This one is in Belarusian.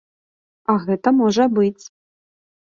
А гэта можа быць.